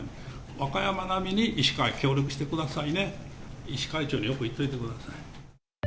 和歌山並みに医師会、協力してくださいね、医師会長によく言っておいてください。